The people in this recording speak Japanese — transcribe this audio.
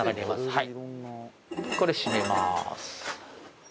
はい！